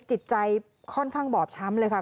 จิตใจค่อนข้างบอบช้ำเลยค่ะ